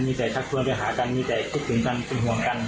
มีแต่ทักชวนไปหากันมีแต่คิดถึงกันเป็นห่วงกัน